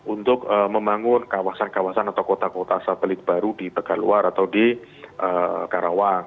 untuk membangun kawasan kawasan atau kota kota satelit baru di tegaluar atau di karawang